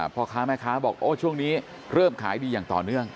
พ่อค้าแม่ค้าบอกโอ้ช่วงนี้เริ่มขายดีอย่างต่อเนื่อง